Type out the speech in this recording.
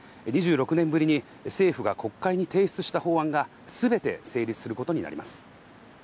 ２６年ぶりに政府が国会に提出した法案が全て成立することになります。